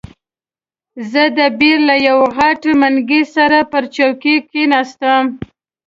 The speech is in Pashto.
زه د بیر له یوه غټ منګي سره پر چوکۍ کښېناستم.